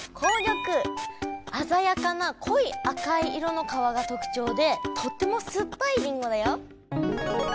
あざやかなこい赤い色の皮が特ちょうでとっても酸っぱいりんごだよ。